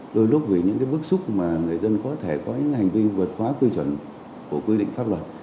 đôi lúc vì những bức xúc mà người dân có thể có những hành vi vượt quá quy chuẩn của quy định pháp luật